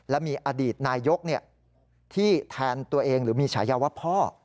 และมีอดีตนายกที่แทนตัวเองหรือมีฉายาว่าพ่อ